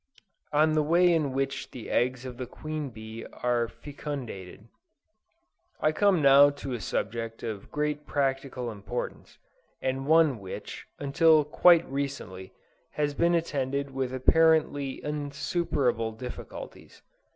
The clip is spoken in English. ON THE WAY IN WHICH THE EGGS OF THE QUEEN BEE ARE FECUNDATED. I come now to a subject of great practical importance, and one which, until quite recently, has been attended with apparently insuperable difficulties.